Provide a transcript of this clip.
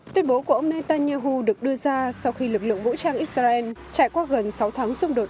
tuyên bố của ông netanyahu được đưa ra sau khi lực lượng vũ trang israel trải qua gần sáu tháng xung đột